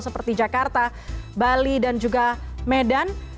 seperti jakarta bali dan juga medan